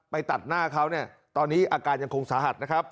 ตัดหน้าเขาเนี่ยตอนนี้อาการยังคงสาหัสนะครับ